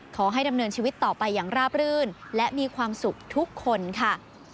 ขอให้ดำเนินชีวิตต่อไปอย่างราบรื่นและมีความสุขทุกคนค่ะ